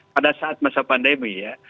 pada saat masa pandemi ya